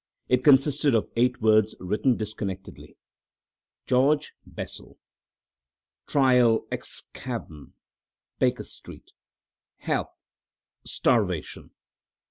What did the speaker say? It consisted of eight words written disconnectedly: "George Bessel... trial excavn.... Baker Street... help... starvation."